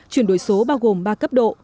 chuyển đổi số bao gồm ba cấp độ